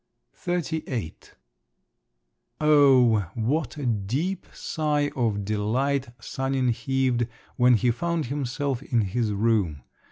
XXXVIII Oh, what a deep sigh of delight Sanin heaved, when he found himself in his room!